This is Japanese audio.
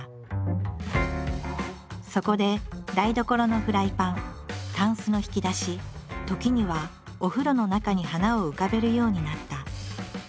そこで台所のフライパンたんすの引き出し時にはお風呂の中に花を浮かべるようになった。